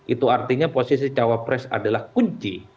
itu artinya posisi cawapres adalah kunci